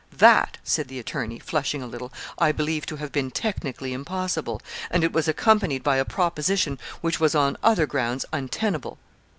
'That,' said the attorney, flushing a little, 'I believe to have been technically impossible; and it was accompanied by a proposition which was on other grounds untenable.'